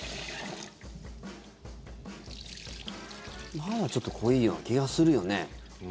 まだちょっと濃いような気がするよね。